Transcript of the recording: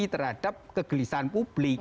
terhadap kegelisahan publik